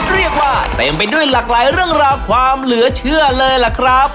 เรียกว่าเต็มไปด้วยหลากหลายเรื่องราวความเหลือเชื่อเลยล่ะครับ